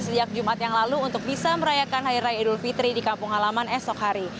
sejak jumat yang lalu untuk bisa merayakan hari raya idul fitri di kampung halaman esok hari